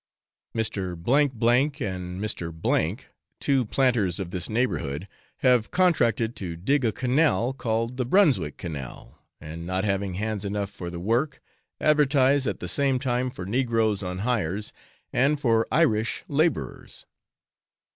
Mr. J C and a Mr. N , two planters of this neighbourhood, have contracted to dig a canal, called the Brunswick canal, and not having hands enough for the work, advertise at the same time for negroes on hires and for Irish labourers.